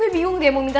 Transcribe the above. eh ini satu statusnya